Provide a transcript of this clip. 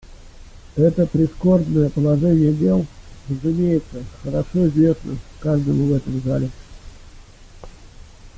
Это прискорбное положение дел, разумеется, хорошо известно каждому в этом зале.